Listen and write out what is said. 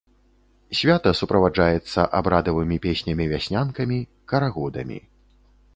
Свята суправаджаецца абрадавымі песнямі-вяснянкамі, карагодамі.